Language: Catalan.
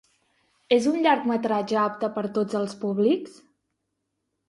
És un llargmetratge apte per a tots els públics?